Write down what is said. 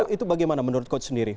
itu bagaimana menurut coach sendiri